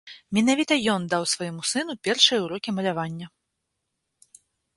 Менавіта ён даў свайму сыну першыя ўрокі малявання.